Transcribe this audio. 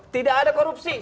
tidak ada korupsi